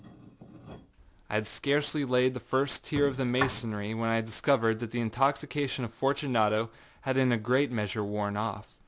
I had scarcely laid the first tier of my masonry when I discovered that the intoxication of Fortunato had in a great measure worn off.